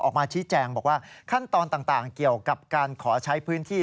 ออกมาชี้แจงบอกว่าขั้นตอนต่างเกี่ยวกับการขอใช้พื้นที่